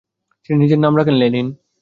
তিনি নিজের নাম রাখেন লেনিন।